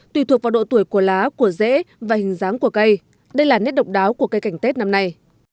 tùy thuộc vào độ tuổi của lá của rễ và hình dáng của cây đây là nét độc đáo của cây cảnh tết năm nay